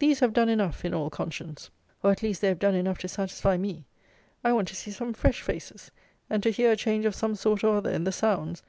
These have done enough in all conscience; or, at least, they have done enough to satisfy me. I want to see some fresh faces, and to hear a change of some sort or other in the sounds.